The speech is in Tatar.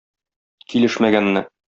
Килешмәгәнне!